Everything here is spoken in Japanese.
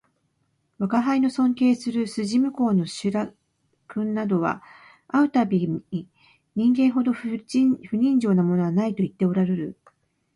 吾輩の尊敬する筋向こうの白君などは会う度毎に人間ほど不人情なものはないと言っておらるる